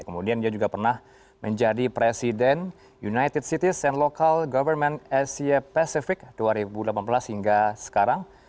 kemudian dia juga pernah menjadi presiden united cities and local government asia pacific dua ribu delapan belas hingga sekarang